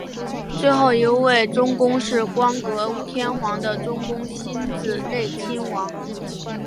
最后一位中宫是光格天皇的中宫欣子内亲王。